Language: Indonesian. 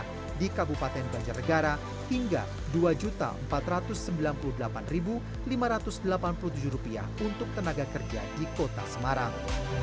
di kabupaten banjarnegara hingga rp dua empat ratus sembilan puluh delapan lima ratus delapan puluh tujuh untuk tenaga kerja di kota semarang